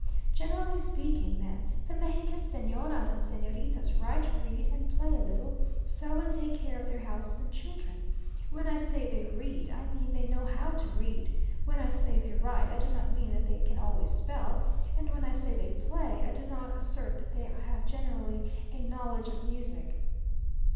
Generally speaking, then, the Mexican Señoras and Señoritas write, read, and play a little, sew, and take care of their houses and children. When I say they read, I mean they know how to read; when I say they write, I do not mean that they can always spell; and when I say they play, I do not assert that they have generally a knowledge of music.